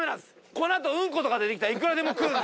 この後うんことか出てきたらいくらでも食うんで。